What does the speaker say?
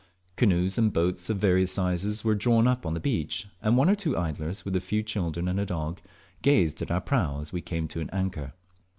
Canoes and boats of various sizes were drawn up on the beach and one or two idlers, with a few children and a dog, gazed at our prau as we came to an anchor.